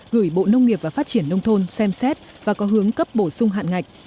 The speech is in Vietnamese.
gửi bộ nông nghiệp và phát triển nông thôn xem xét và có hướng cấp bổ sung hạn ngạch